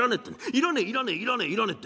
要らねえ要らねえ要らねえ要らねえって。